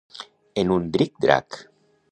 En un dric-drac.